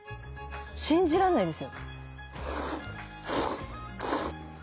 信じらんないですよ